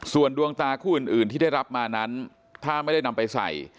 ส่วนดวงตาคู่อื่นที่ได้รับมานั้นถ้าไม่ได้นำไปใส่